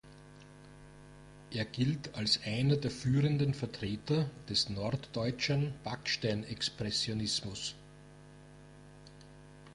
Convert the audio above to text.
Er gilt als einer der führenden Vertreter des norddeutschen Backsteinexpressionismus.